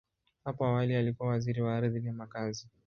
Hapo awali, alikuwa Waziri wa Ardhi na Makazi.